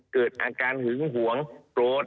เกิดอาการหึงหวงโกรธ